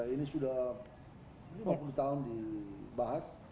ini sudah lima puluh tahun dibahas